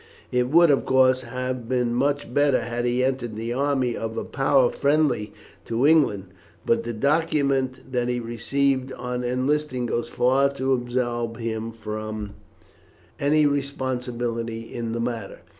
It would, of course, have been much better had he entered the army of a power friendly to England, but the document that he received on enlisting goes far to absolve him from any responsibility in the matter.